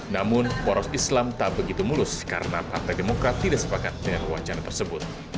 namun poros islam tak begitu mulus karena partai demokrat tidak sepakat dengan wacana tersebut